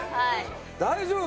大丈夫？